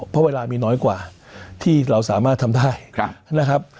เพราะเวลามีน้อยกว่าที่เราสามารถทำได้นะครับ